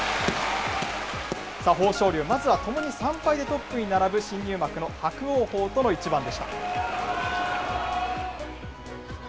豊昇龍、まずはともに３敗でトップに並ぶ新入幕の伯桜鵬との一番でした。